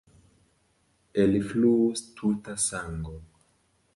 Elfluus tuta sango.